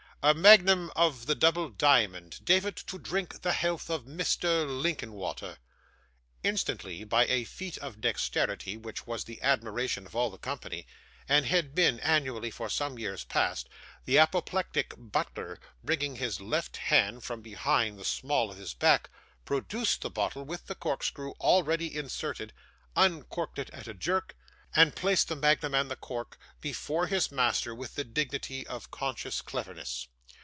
'A magnum of the double diamond, David, to drink the health of Mr Linkinwater.' Instantly, by a feat of dexterity, which was the admiration of all the company, and had been, annually, for some years past, the apoplectic butler, bringing his left hand from behind the small of his back, produced the bottle with the corkscrew already inserted; uncorked it at a jerk; and placed the magnum and the cork before his master with the dignity of conscious cleverness.